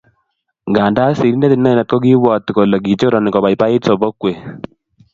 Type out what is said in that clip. Nganda sirindet inendet ko kiibwati kole kichorani kobaibait sobonwek